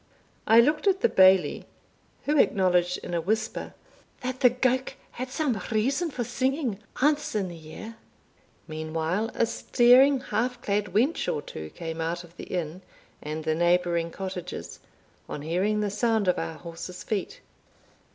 I looked at the Bailie, who acknowledged, in a whisper, "that the gowk had some reason for singing, ance in the year." Meantime a staring half clad wench or two came out of the inn and the neighbouring cottages, on hearing the sound of our horses' feet.